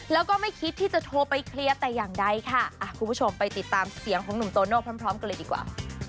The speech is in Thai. แล้วก็ไม่คิดที่จะโทรไปเคลียร์แต่อย่างใดค่ะคุณผู้ชมไปติดตามเสียงของหนุ่มโตโน่พร้อมกันเลยดีกว่า